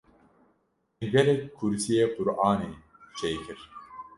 min gelek kursîyê Qur’anê çê kir.